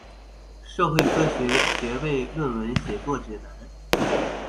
社會科學學位論文寫作指南